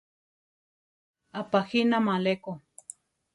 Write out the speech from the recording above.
Apajínama aleko.